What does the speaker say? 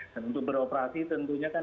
dan untuk beroperasi tentunya kan